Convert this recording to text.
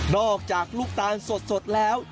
อกจากลูกตาลสดแล้ว